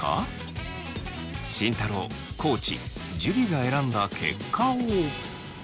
慎太郎地樹が選んだ結果を。